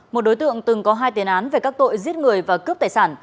một đối tượng từng có hai tiền án về các tội giết người và cướp tài sản